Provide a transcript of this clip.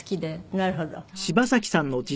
なるほど。